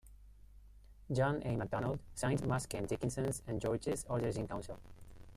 John A. Macdonald signed Moss Kent Dickinson's and George's Orders-in-Council.